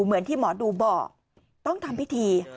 เหมือนที่หมอดูบอกต้องทำพิธี